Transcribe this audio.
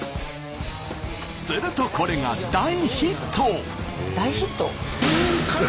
するとこれが大ヒット！